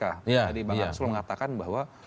tadi bang arsul mengatakan bahwa